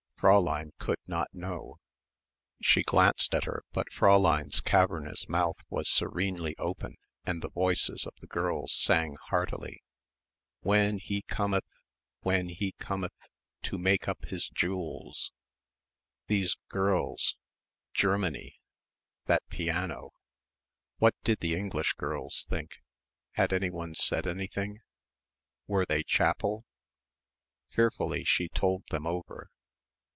Fräulein could not know.... She glanced at her, but Fräulein's cavernous mouth was serenely open and the voices of the girls sang heartily, "Whenhy _com_eth. Whenhy _com_eth, to make up his _jew_els " These girls, Germany, that piano.... What did the English girls think? Had anyone said anything? Were they chapel? Fearfully, she told them over.